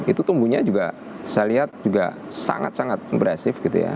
itu tumbuhnya juga saya lihat juga sangat sangat agresif gitu ya